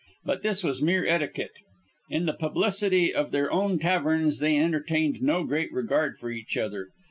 But this was mere etiquette. In the publicity of their own taverns they entertained no great regard for each other.